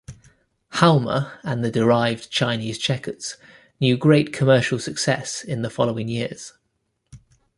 Halma and the derived Chinese checkers knew great commercial success in the following years.